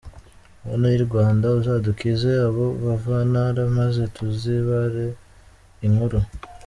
Mana y’i Rwanda uzadukize abo “bavantara” maze tuzibare inkuru !